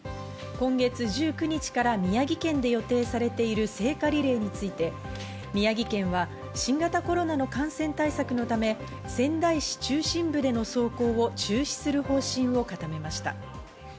今月１９日から宮城県で予定されている聖火リレーについて、宮城県は新型コロナの感染対策のため、仙台市中心部での走行を中止する方針を固めました。